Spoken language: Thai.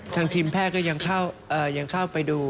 ทางทีมแพทย์ก็ยังเข้าไปดู